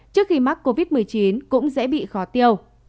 trước khi mắc covid một mươi chín cũng dễ bị khó tiêu